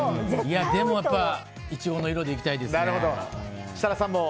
でもやっぱりイチゴの色でいきたいですね。